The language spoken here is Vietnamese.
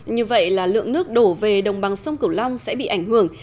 như vậy là lượng nước đổ về đồng bằng sông cửu long sẽ bị ảnh hưởng